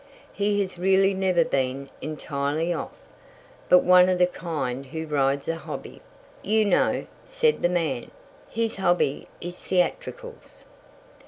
He has really never been entirely off, but one of the kind who rides a hobby, you know," said the man. "His hobby is theatricals."